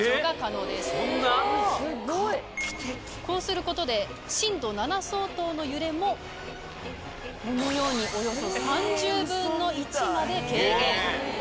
こうすることで震度７相当の揺れもこのようにおよそ３０分の１まで軽減。